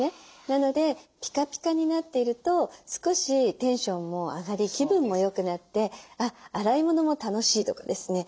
なのでピカピカになっていると少しテンションも上がり気分も良くなって洗い物も楽しいとかですね。